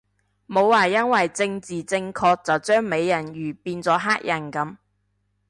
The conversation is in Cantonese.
冇話因為政治正確就將美人魚變咗黑人噉